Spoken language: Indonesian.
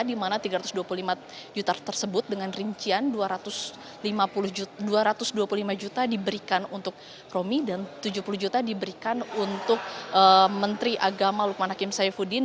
di mana tiga ratus dua puluh lima juta tersebut dengan rincian dua ratus dua puluh lima juta diberikan untuk romi dan tujuh puluh juta diberikan untuk menteri agama lukman hakim saifuddin